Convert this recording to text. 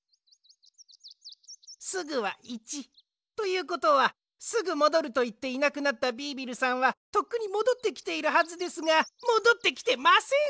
「すぐ」は１！ということは「すぐもどる」といっていなくなったビービルさんはとっくにもどってきているはずですがもどってきてません！